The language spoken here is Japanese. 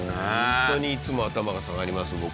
ホントにいつも頭が下がります僕は。